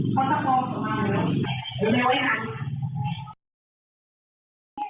ก้าวมาร้วงนาก่อน